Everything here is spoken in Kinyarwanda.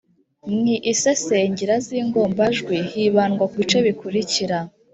Mu isesengira z’ingombajwi hibandwa ku bice bikurikira